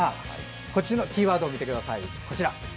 こちらのキーワード見てください。